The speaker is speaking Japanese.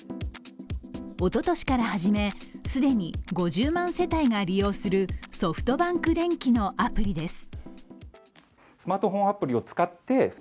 おととしから始め、既に５０万世帯が利用するソフトバンクでんきのアプリです。